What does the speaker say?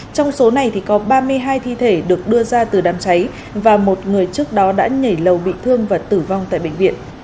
trong số này có ba mươi hai thi thể được đưa ra từ đám cháy và một người trước đó đã nhảy lầu bị thương và tử vong tại bệnh viện